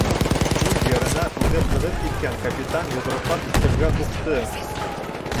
Үҙ йырына үҙе ҡыҙып киткән капитан йоҙроҡлап өҫтәлгә һуҡты.